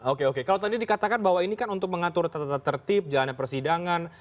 oke oke kalau tadi dikatakan bahwa ini kan untuk mengatur tata tertib jalannya persidangan